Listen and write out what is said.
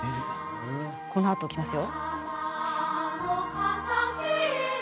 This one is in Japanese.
このあときますよ。